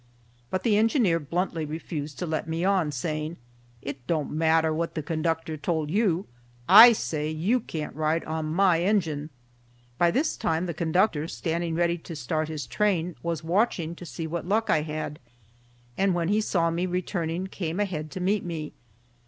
But the engineer bluntly refused to let me on, saying: "It don't matter what the conductor told you. I say you can't ride on my engine." By this time the conductor, standing ready to start his train, was watching to see what luck I had, and when he saw me returning came ahead to meet me.